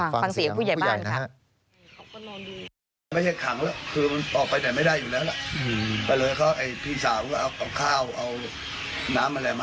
ฟังเสียงผู้ใหญ่บ้านค่ะ